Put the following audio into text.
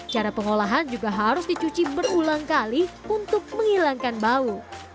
cara pengolahan juga harus dicuci berulang kali untuk menghilangkan bau